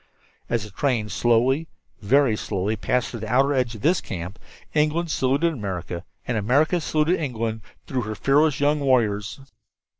As the train slowly, very slowly, passed around the outer edge of this camp, England saluted America, and America saluted England through their fearless young warriors.